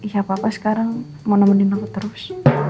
ya apa apa sekarang mau nemenin aku terus